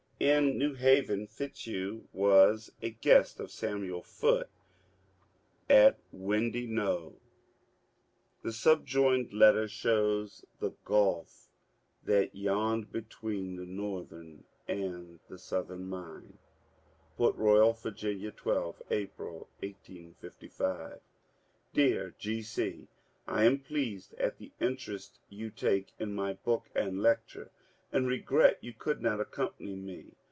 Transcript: In New Haven Fitzhugh was a guest of Samuel Foote at "Windy Knowe." The subjoined letter shows the gulf that yawned between the Northern and the Southern mind :— Port Royal, Va., 12 April, 1855. Dear G. C, — I am pleased at the interest you take in my book and lecture, and regret you could not accompany me.